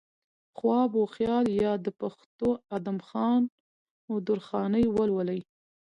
خواب وخيال يا د پښتو ادم خان و درخانۍ ولولئ